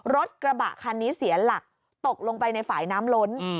รถกระบะคันนี้เสียหลักตกลงไปในฝ่ายน้ำล้น